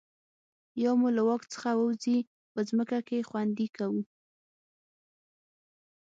یا مو له واک څخه ووځي په ځمکه کې خوندي کوو.